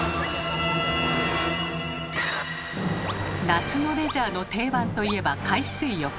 夏のレジャーの定番といえば海水浴。